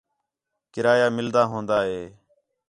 کرایہ مِلدا ہون٘دا ہِے